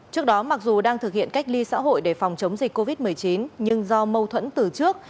trước đó mặc dù đang thực hiện cách ly xã hội để phòng chống dịch covid một mươi chín nhưng do mâu thuẫn từ trước